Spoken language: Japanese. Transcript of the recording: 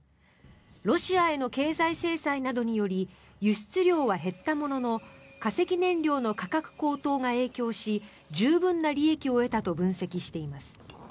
ロシアへの経済制裁などにより輸出量は減ったものの化石燃料の価格高騰が影響し十分な利益を得たと分析しています。